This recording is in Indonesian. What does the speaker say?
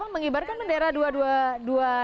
mengibarkan bendera dua dua